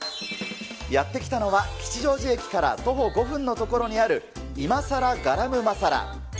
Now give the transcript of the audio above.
やって来たのは、吉祥寺駅から徒歩５分の所にある、イマサラガラムマサラ。